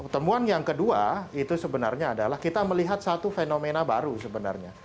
temuan yang kedua itu sebenarnya adalah kita melihat satu fenomena baru sebenarnya